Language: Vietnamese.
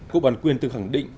cụ bản quyền từng khẳng định